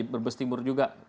berbes timur juga